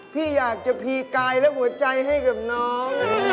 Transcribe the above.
พี่อยากจะพีกายและหัวใจให้กับน้อง